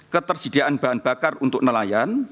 ketersediaan bahan bakar untuk nelayan